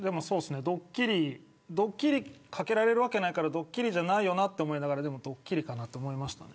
ドッキリかけられるわけないからドッキリじゃないよなと思いながらでもドッキリかなと思いました。